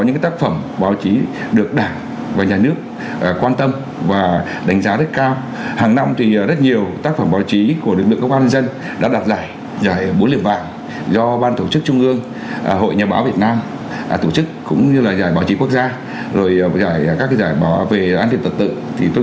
những chiến công của lực lượng an dân và nêu lên những gương điển hình tiên tiến